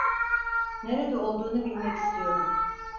Nerede olduğunu bilmek istiyorum.